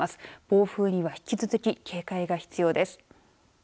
暴風には引き続き警戒が必要です。